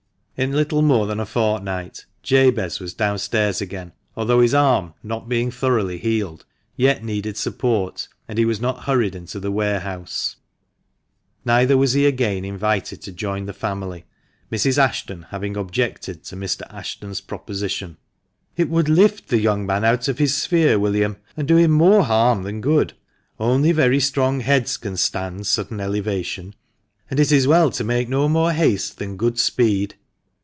In little more than a fortnight Jabez was downstairs again, although his arm, not being thoroughly healed, yet needed support, and he was not hurried into the warehouse. Neither 2io THE MANCHESTER MAN. was he again invited to join the family, Mrs. Ashton having objected to Mr. Ashton's proposition. " It would lift the young man out of his sphere, William, and do him more harm than good. Only very strong heads can stand sudden elevation; and it is well to make no more haste than good speed."